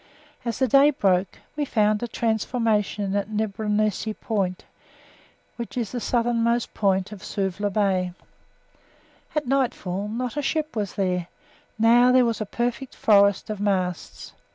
As the day broke, we found a transformation at Nibronesi Point, which is the southernmost part of Suvla Bay. At nightfall not a ship was there; now there was a perfect forest of masts.